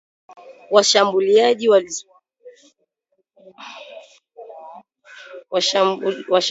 Washambuliaji wasiojulikana waliokuwa na silaha wamewaua wanajeshi kumi na moja wa Burkina Faso na kuwajeruhi